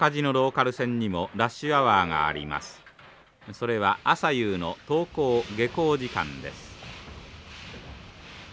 それは朝夕の登校下校時間です。